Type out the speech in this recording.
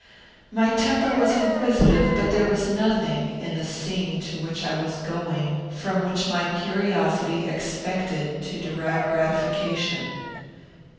My temper was inquisitive, but there was nothing in the scene to which I was going from which my curiosity expected to derive gratification.